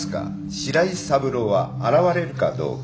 白井三郎は現れるかどうか。